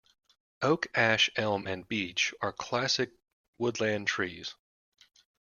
Oak, ash, elm and beech are classic woodland trees.